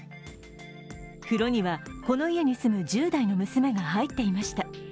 風呂にはこの家に住む１０代の娘が入っていました。